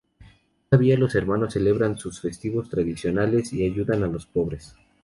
Todavía los hermanos celebran sus festivos tradicionales y ayudan a los pobres.